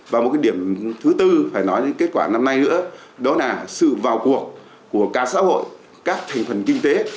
và một điểm thứ tư phải nói đến kết quả năm nay nữa đó là sự vào cuộc của cả xã hội các thành phần kinh tế